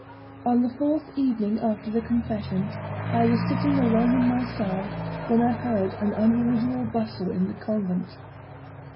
On the fourth evening after the confession, I was sitting alone in my cell, when I heard an unusual bustle in the convent.